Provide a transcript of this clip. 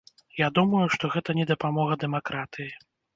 Я думаю, што гэта не дапамога дэмакратыі.